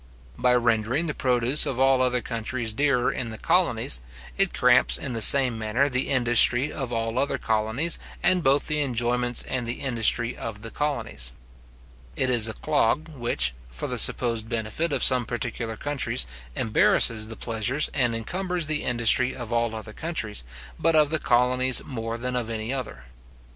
By rendering the produce of all other countries dearer in the colonies, it cramps in the same manner the industry of all other colonies, and both the enjoyments and the industry of the colonies. It is a clog which, for the supposed benefit of some particular countries, embarrasses the pleasures and encumbers the industry of all other countries, but of the colonies more than of any other.